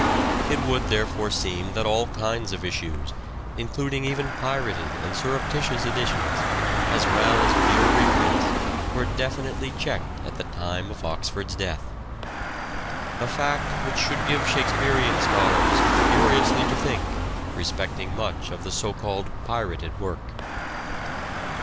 It would therefore seem that all kinds of issues, including even pirated and surreptitious editions, as well as mere reprints, were definitely checked at the time of Oxford's death : a fact which should give Shakespearean scholars " furiously to think " respecting much of the so called " pirated " work.